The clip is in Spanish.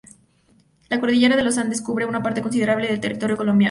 La Cordillera de los Andes cubre una parte considerable del territorio colombiano.